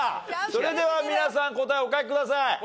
それでは皆さん答えお書きください。